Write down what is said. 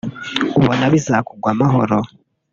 ubona bizakugwa amahoro